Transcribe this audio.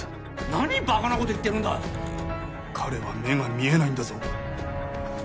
何バカなこと言ってるんだ彼は目が見えないんだぞ